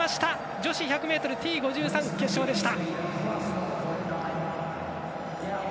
女子１００ｍＴ５３決勝でした。